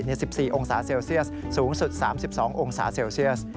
๑๔องศาเซลเซียสสูงสุด๓๒องศาเซลเซียส